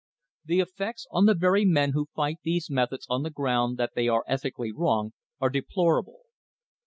The effects on the very men who fight these methods on the ground that they are ethically wrong are deplorable.